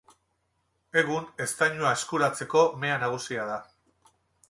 Egun eztainua eskuratzeko mea nagusia da.